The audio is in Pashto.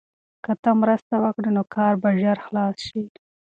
که ته مرسته وکړې نو کار به ژر خلاص شي.